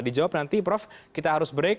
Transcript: dijawab nanti prof kita harus break